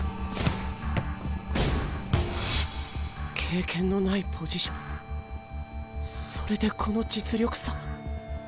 経験のないポジションそれでこの実力差？